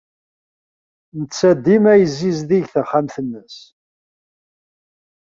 Netta dima yessizdig taxxamt-nnes.